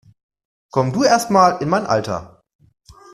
Komm du erstmal in mein Alter!